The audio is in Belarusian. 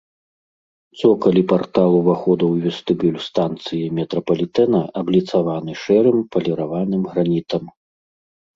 Цокаль і партал увахода ў вестыбюль станцыі метрапалітэна абліцаваны шэрым паліраваным гранітам.